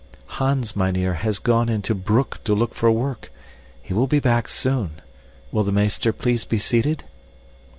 "Hans, mynheer, has gone into Broek to look for work. He will be back soon. Will the meester please be seated?"